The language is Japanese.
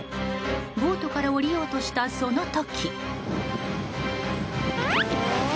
ボートから降りようとしたその時。